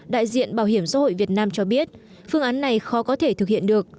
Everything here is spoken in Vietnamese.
đại diện bảo hiểm xã hội việt nam cho biết phương án này khó có thể thực hiện được